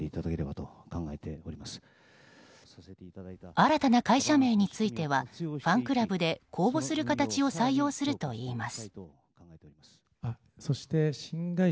新たな会社名についてはファンクラブで公募する形を採用するといいます。